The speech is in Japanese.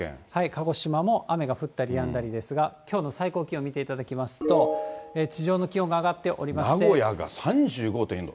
鹿児島も雨が降ったりやんだりですが、きょうの最高気温見ていただきますと、名古屋が３５．４度。